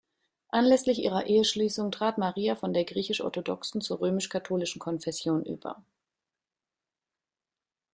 Anlässlich ihrer Eheschließung trat Maria von der griechisch-orthodoxen zur römisch-katholischen Konfession über.